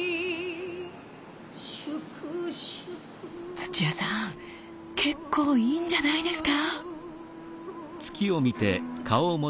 土屋さん結構いいんじゃないですか？